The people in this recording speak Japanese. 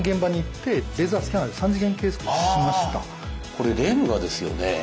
これレンガですよね。